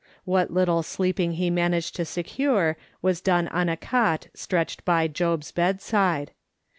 What little sleeping he managed to secure was done on a cot stretched by Job's bed side.